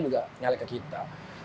juga nyalek ke kita